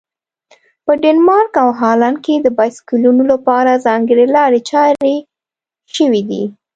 په ډنمارک او هالند کې د بایسکلونو لپاره ځانګړي لارې چارې شوي دي.